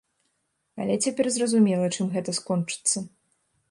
Але цяпер зразумела, чым гэта скончыцца.